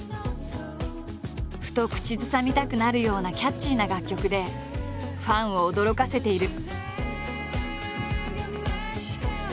ふと口ずさみたくなるようなキャッチーな楽曲でファンを驚かせている。